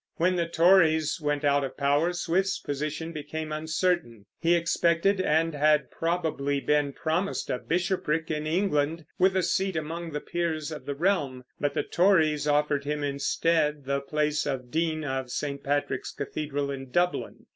When the Tories went out of power Swift's position became uncertain. He expected and had probably been promised a bishopric in England, with a seat among the peers of the realm; but the Tories offered him instead the place of dean of St. Patrick's Cathedral in Dublin.